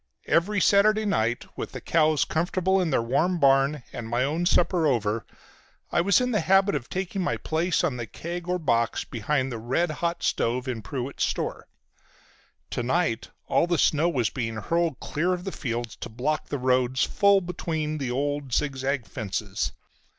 Every Saturday night, with the cows comfortable in their warm barn, and my own supper over, I was in the habit of taking my place on the keg or box behind the red hot stove in Pruett's store. To night all the snow was being hurled clear of the fields to block the roads full between the old, zigzag fences.